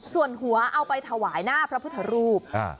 ส่วนหัวเอาไปถวายหน้าพระพุทธรูป